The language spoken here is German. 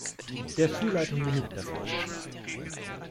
Der Schulleitung genügt das nicht.